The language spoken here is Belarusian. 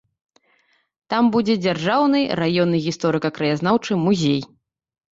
Там будзе дзяржаўны раённы гісторыка-краязнаўчы музей.